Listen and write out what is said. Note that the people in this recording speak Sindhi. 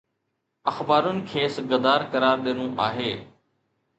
اخبارن کيس غدار قرار ڏنو آهي